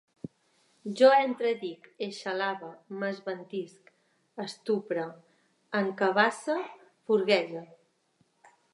Jo entredic, eixalave, m'esventisc, estupre, encabasse, furguege